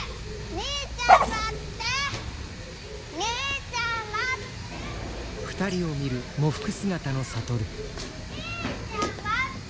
兄ちゃん待って！